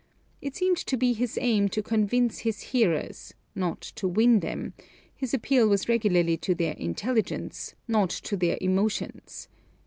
It seemed to be his aim to convince his hearers, not to win them; his appeal was regularly to their intelligence, not to their emotions.